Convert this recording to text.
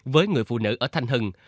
với người phụ nữ ở thanh hưng